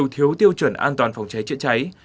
tiêu chuẩn an toàn phòng cháy chữa cháy